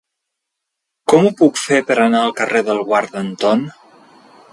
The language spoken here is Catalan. Com ho puc fer per anar al carrer del Guarda Anton?